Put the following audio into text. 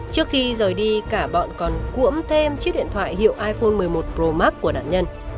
trước khi rời đi cả bọn còn cuộm thêm chiếc điện thoại hiệu iphone một mươi một pro max của nạn nhân